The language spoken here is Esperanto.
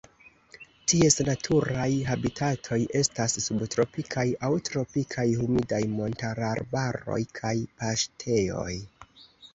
Ties naturaj habitatoj estas subtropikaj aŭ tropikaj humidaj montararbaroj kaj paŝtejoj.